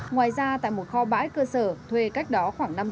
ngoài ra tại một kho bãi cơ sở thuê cách đó khoảng năm trăm linh